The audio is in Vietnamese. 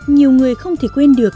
nhiều người không thể quên được